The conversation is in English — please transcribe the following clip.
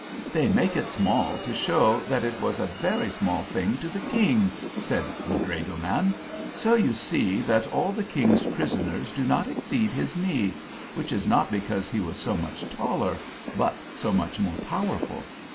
"They make it small to show that it was a very small thing to the King," said the dragoman. "So you see that all the King's prisoners do not exceed his knee which is not because he was so much taller, but so much more powerful.